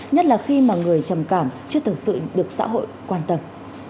nhất là khi mà người trầm cảm chưa thực sự được xã hội quan tâm